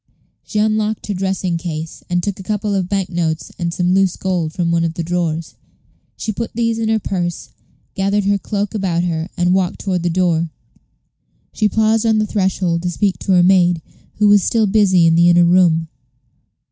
She unlocked her dressing case, and took a couple of bank notes and some loose gold from one of the drawers. She put these in her purse, gathered her cloak about her, and walked toward the door. She paused on the threshold to speak to her maid, who was still busy in the inner room.